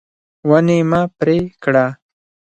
ونې مه پرې کړه.